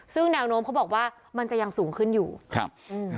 ซึ่งแนวโน้มเขาบอกว่ามันจะยังสูงขึ้นอยู่ครับอืม